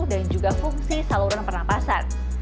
dan juga fungsi saluran pernafasan